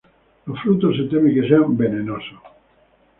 Los frutos se teme que sean venenosos.